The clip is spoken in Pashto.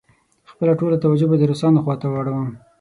خپله ټوله توجه به د روسانو خواته واړوم.